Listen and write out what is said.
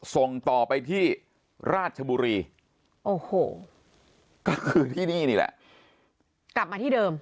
ส่งต่อไปที่ราชบุรีโอ้โหก็คือที่นี่นี่แหละกลับมาที่เดิม